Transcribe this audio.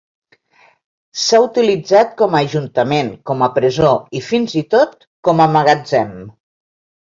S'ha utilitzat com a Ajuntament, com a presó i fins i tot com a magatzem.